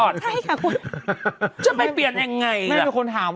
เมื่อเปลี่ยนเขาถาม